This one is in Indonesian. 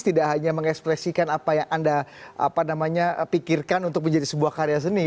tidak hanya mengekspresikan apa yang anda pikirkan untuk menjadi sebuah karya seni